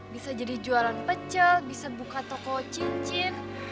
bisa jadi jualan pecel bisa buka toko cincin